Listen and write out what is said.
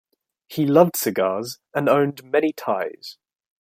He loved cigars and owned many ties.